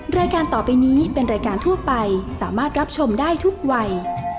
รายการต่อไปนี้เป็นรายการทั่วไปสามารถรับชมได้ทุกวัย